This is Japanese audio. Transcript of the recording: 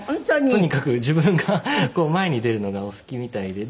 とにかく自分が前に出るのがお好きみたいで。